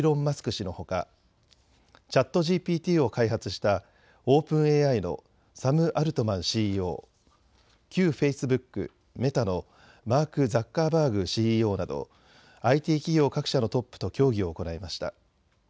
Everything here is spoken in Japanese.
氏のほかＣｈａｔＧＰＴを開発したオープンＡＩのサム・アルトマンＣＥＯ、旧フェイスブック、メタのマーク・ザッカーバーグＣＥＯなどＩＴ企業各社のトップと協議を行いました。